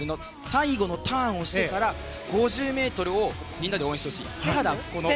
最後のターンをしてから５０ｍをみんなで応援してほしい。